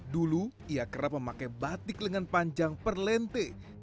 dulu ia kerap memakai batik lengan panjang perlente